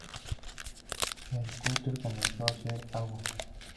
El cúter comenzó a hacer agua.